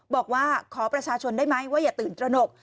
บอกว่าขอประชาชนได้ไหมว่าอย่าตื่นตระหนก